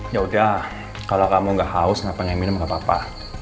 yaudah kalo kamu gak haus gak pengen minum gapapa